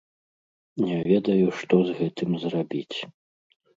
Не ведаю, што з гэтым зрабіць.